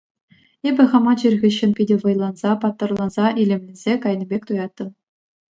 Эпӗ хама чир хыҫҫӑн питӗ вӑйланса, паттӑрланса, илемленсе кайнӑ пек туяттӑм.